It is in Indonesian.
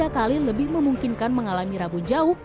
tiga kali lebih memungkinkan mengalami rabu jauh